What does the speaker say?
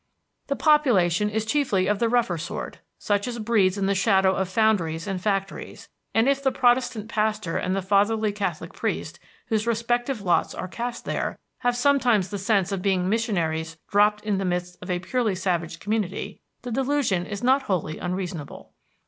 The population is chiefly of the rougher sort, such as breeds in the shadow of foundries and factories, and if the Protestant pastor and the fatherly Catholic priest, whose respective lots are cast there, have sometimes the sense of being missionaries dropped in the midst of a purely savage community, the delusion is not wholly unreasonable.